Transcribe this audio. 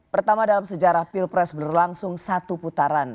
pertama dalam sejarah pilpres berlangsung satu putaran